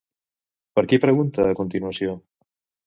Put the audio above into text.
Per qui pregunta, a continuació?